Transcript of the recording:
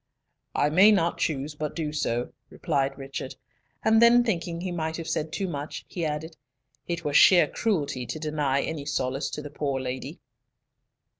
"I may not choose but do so," replied Richard; and then, thinking he might have said too much, he added, "It were sheer cruelty to deny any solace to the poor lady."